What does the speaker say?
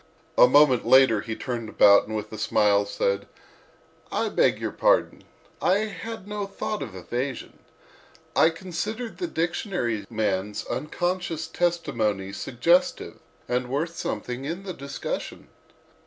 A moment later he turned about and with a smile said: "I beg your pardon; I had no thought of evasion. I considered the dictionary man's unconscious testimony suggestive and worth something in the discussion.